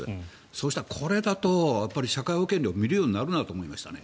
そうしたら、これだと社会保険料見るようになるなと思いましたね。